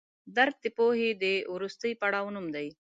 درک د پوهې د وروستي پړاو نوم دی.